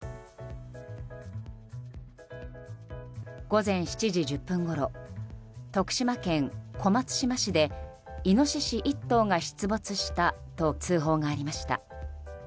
午前７時１０分ごろ徳島県小松島市でイノシシ１頭が出没したと通報がありました。